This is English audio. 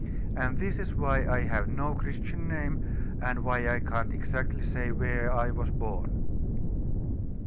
And this is why I have no Christian name, and why I can't exactly say where I was born."